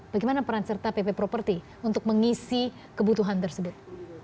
bagaimana perancerta pp property untuk mengisi kebutuhan tersebut